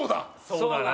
そうだな。